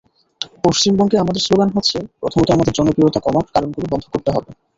পশ্চিমবঙ্গে আমাদের স্লোগান হচ্ছে, প্রথমত আমাদের জনপ্রিয়তা কমার কারণগুলো বন্ধ করতে হবে।